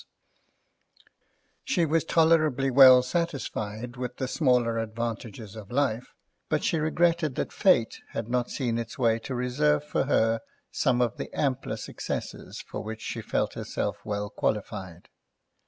She was tolerably well satisfied with the smaller advantages of life, but she regretted that Fate had not seen its way to reserve for her some of the ampler successes for which she felt herself well qualified.